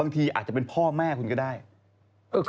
ทีอาจจะเป็นพ่อแม่คุณก็ได้